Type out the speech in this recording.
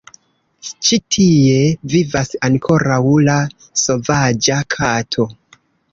Ĉi tie vivas ankoraŭ la sovaĝa kato.